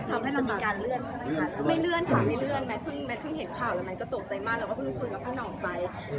คนบ้านมากกกกก็คือมีเรื่องอะไรที่จะต้องไม่เอามาเล่นใช่ไหม